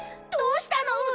どうしたの？